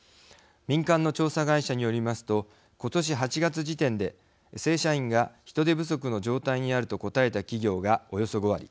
民間の調査会社によりますと今年８月時点で「正社員が人手不足の状態にある」と答えた企業がおよそ５割。